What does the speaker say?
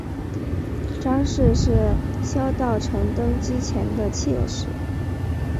张氏是萧道成登基前的妾室。